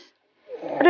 aduh duh duh